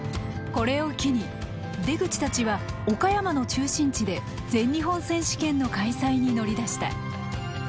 これを機に出口たちは岡山の中心地で全日本選手権の開催に乗り出した。